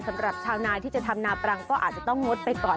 สำหรับชาวนาที่จะทำนาปรังก็อาจจะต้องงดไปก่อน